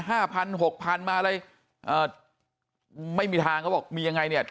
พันหกพันมาอะไรเอ่อไม่มีทางเขาบอกมียังไงเนี่ย